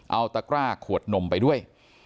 เอาตะกร้าขวดนมไปด้วย